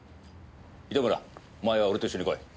糸村お前は俺と一緒に来い。